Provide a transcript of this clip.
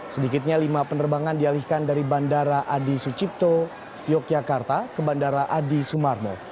sedikitnya lima penerbangan dialihkan dari bandara adi sucipto yogyakarta ke bandara adi sumarmo